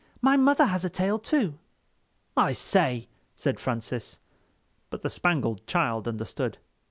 My mother has a tail too." "I say!" said Francis. But the Spangled Child understood.